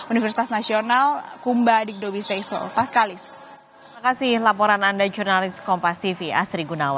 universitas nasional kumba digdowi seyso paskalis